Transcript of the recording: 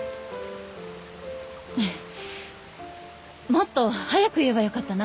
もっと早く言えばよかったな。